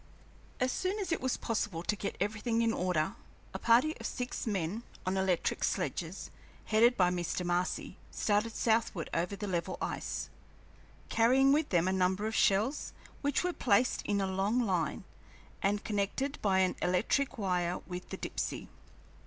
As soon as it was possible to get everything in order, a party of six men, on electric sledges, headed by Mr. Marcy, started southward over the level ice, carrying with them a number of shells, which were placed in a long line, and connected by an electric wire with the Dipsey.